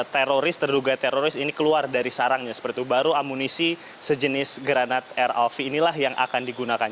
teroris terduga teroris ini keluar dari sarangnya seperti itu baru amunisi sejenis granat rlv inilah yang akan digunakan